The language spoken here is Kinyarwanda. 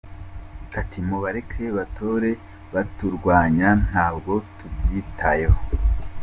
Ati “Mubareke batore baturwanya, ntabwo tubyitayeho.